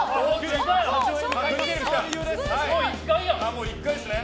もう１階ですね。